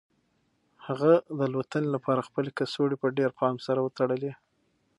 هغه د الوتنې لپاره خپلې کڅوړې په ډېر پام سره وتړلې.